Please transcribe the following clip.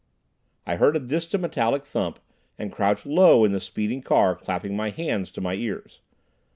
I heard a distant metallic thump, and crouched low in the speeding car, clapping my hands to my ears.